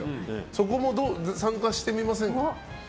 そこも参加してみませんか？